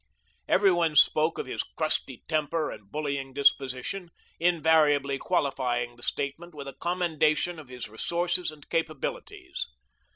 Every one spoke of his crusty temper and bullying disposition, invariably qualifying the statement with a commendation of his resources and capabilities.